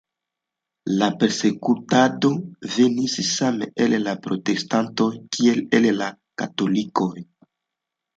La persekutado venis same el la protestantoj, kiel el la katolikoj.